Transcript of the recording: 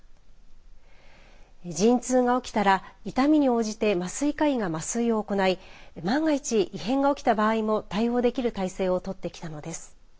陣痛が起きたら痛みに応じて麻酔科医が麻酔を行い万が一異変が起きた場合も対応できる態勢を取ってきたのです。